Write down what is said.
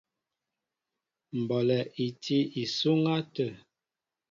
Mbɔlɛ í tí isúŋ atə̂.